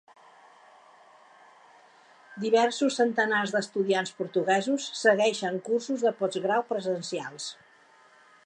Diversos centenars d'estudiants portuguesos segueixen cursos de postgrau presencials.